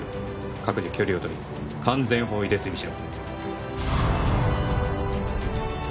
各自距離をとり完全包囲で追尾しろ